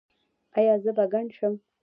ایا زه به کڼ شم؟